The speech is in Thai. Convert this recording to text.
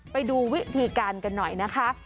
ไปดูวิธีการกันหน่อยนะคะ